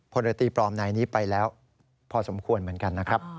พลเรือตีปลอมนายนี้ไปแล้วพอสมควรเหมือนกันนะครับ